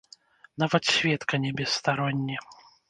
Нават сведка не бесстаронні.